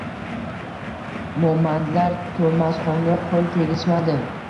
Momandlar To’masxonga qo’l tegizishmadi.